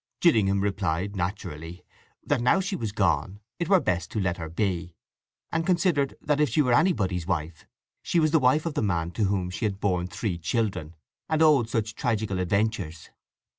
Gillingham replied, naturally, that now she was gone it were best to let her be, and considered that if she were anybody's wife she was the wife of the man to whom she had borne three children and owed such tragical adventures.